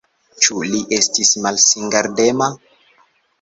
Ĉu li estis malsingardema?